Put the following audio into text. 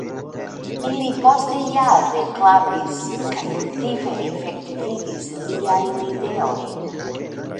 Ili poste ja reklamis kaj aktive efektivigis liajn ideojn.